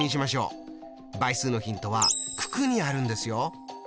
倍数のヒントは九九にあるんですよ。